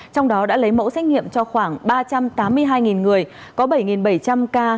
trong đó đã lấy mẫu xét nghiệm cho khoảng ba trăm tám mươi hai người có bảy bảy trăm linh ca